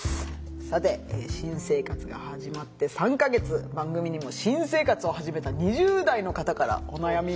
さて新生活が始まって３か月番組にも新生活をはじめた２０代の方からお悩みが届いてます。